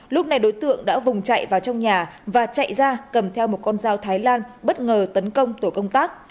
lúc này đối tượng đã vùng chạy vào trong nhà và chạy ra cầm theo một con dao thái lan bất ngờ tấn công tổ công tác